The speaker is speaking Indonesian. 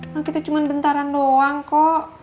nah kita cuma bentaran doang kok